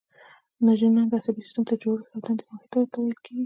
نیورونونه د عصبي سیستم د جوړښت او دندې واحد ته ویل کېږي.